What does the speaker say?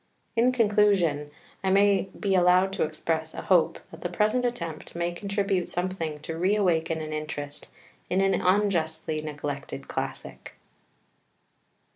In conclusion, I may be allowed to express a hope that the present attempt may contribute something to reawaken an interest in an unjustly neglected classic.